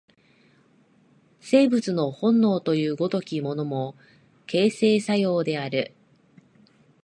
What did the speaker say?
生物の本能という如きものも、形成作用である。